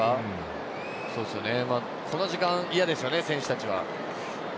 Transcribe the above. この時間嫌ですよね、選手たちは。